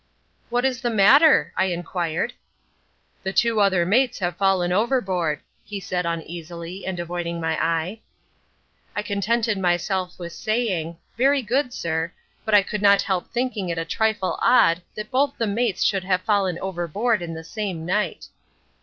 "What is the matter?" I inquired. "The two other mates have fallen overboard," he said uneasily, and avoiding my eye. I contented myself with saying "Very good, sir," but I could not help thinking it a trifle odd that both the mates should have fallen overboard in the same night.